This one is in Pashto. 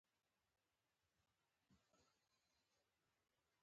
په دې هيله چې وطن به يوه ورځ وطن شي.